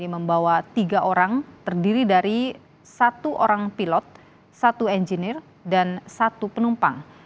membawa tiga orang terdiri dari satu orang pilot satu engineer dan satu penumpang